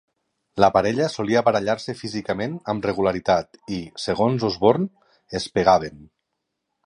La parella solia barallar-se físicament amb regularitat i, segons Osbourne, es pegaven.